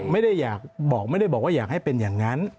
ไม่ได้อยากบอกไม่ได้บอกว่าอยากให้เป็นอย่างนั้น